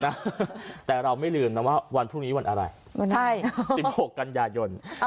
นะฮะแต่เราไม่ลืมนะว่าวันพรุ่งนี้วันอะไรวันไหนใช่ติดโหกกันยายนอ่า